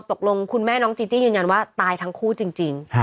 คุณแม่น้องจีจี้ยืนยันว่าตายทั้งคู่จริง